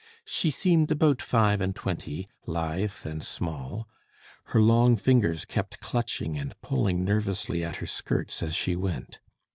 She seemed about five and twenty, lithe and small. Her long fingers kept clutching and pulling nervously at her skirts as she went.